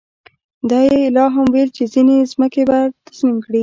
دا یې لا هم ویل چې ځینې ځمکې به را تسلیم کړي.